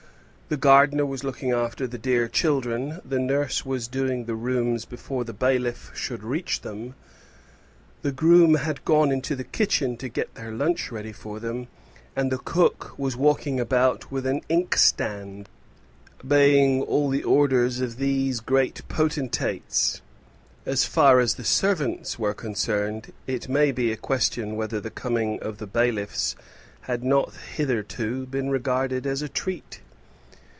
The gardener was looking after the dear children; the nurse was doing the rooms before the bailiffs should reach them; the groom had gone into the kitchen to get their lunch ready for them; and the cook was walking about with an inkstand, obeying all the orders of these great potentates. As far as the servants were concerned, it may be a question whether the coming of the bailiffs had not hitherto been regarded as a treat.